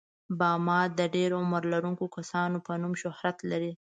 باما د ډېر عمر لرونکو کسانو په نوم شهرت لري.